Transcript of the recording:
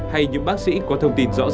hay những bác sĩ có thông tin rõ ràng